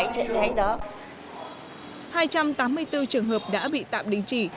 hai trăm tám mươi bốn trường hợp đã bị tạm đình chỉ